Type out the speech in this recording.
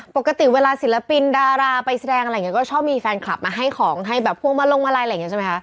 ปกติเวลาศิลปินดาราไปแสดงอะไรอย่างนี้ก็ชอบมีแฟนคลับมาให้ของให้แบบพวงมาลงมาลัยอะไรอย่างนี้ใช่ไหมคะ